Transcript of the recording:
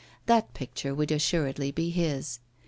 That picture would assuredly be his.